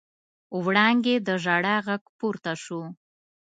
وړانګې د ژړا غږ پورته شو.